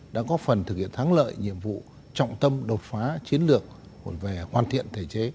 đã có phần thực hiện thắng lợi nhiệm vụ trọng tâm đột phá chiến lược về hoàn thiện thể chế